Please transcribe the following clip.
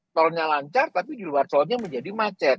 tolnya lancar tapi di luar tolnya menjadi macet